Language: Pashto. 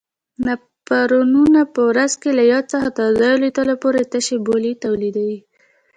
نفرونونه په ورځ کې له یو څخه تر دریو لیترو پورې تشې بولې تولیدوي.